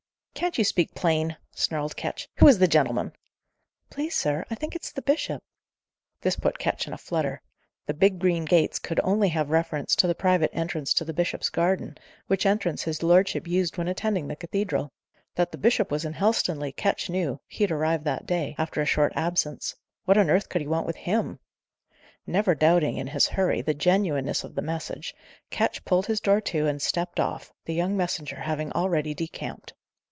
"Can't you speak plain?" snarled Ketch. "Who is the gentleman?" "Please, sir, I think it's the bishop." This put Ketch in a flutter. The "big green gates" could only have reference to the private entrance to the bishop's garden, which entrance his lordship used when attending the cathedral. That the bishop was in Helstonleigh, Ketch knew: he had arrived that day, after a short absence: what on earth could he want with him? Never doubting, in his hurry, the genuineness of the message, Ketch pulled his door to, and stepped off, the young messenger having already decamped.